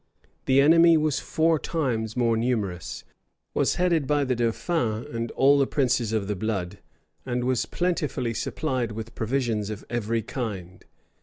The enemy was four times more numerous; was headed by the dauphin and all the princes of the blood; and was plentifully supplied with provisions of every kind.